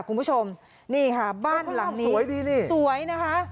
คุณผู้ชมนี่ค่ะบ้านหลังนี้สวยดีนี่สวยนะคะ